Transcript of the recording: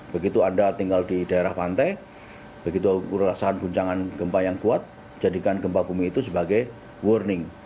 begitu anda tinggal di daerah pantai begitu perasaan guncangan gempa yang kuat jadikan gempa bumi itu sebagai warning